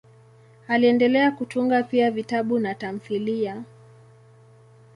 Aliendelea kutunga pia vitabu na tamthiliya.